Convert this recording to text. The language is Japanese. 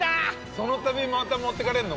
そのたびまた持ってかれんの？